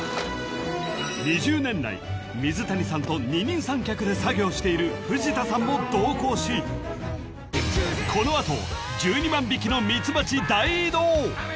［２０年来水谷さんと二人三脚で作業している藤田さんも同行しこの後１２万匹のミツバチ大移動］